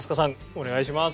お願いします。